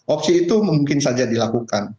opsi itu mungkin saja dilakukan